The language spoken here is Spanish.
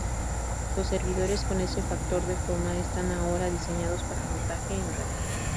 Los servidores con ese factor de forma están ahora diseñados para montaje en rack.